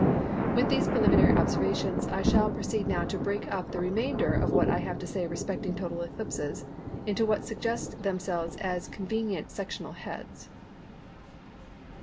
With these preliminary observations I shall proceed now to break up the remainder of what I have to say respecting total eclipses into what suggest themselves as convenient sectional heads.